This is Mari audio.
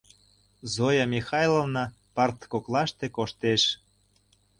— Зоя Михайловна парт коклаште коштеш.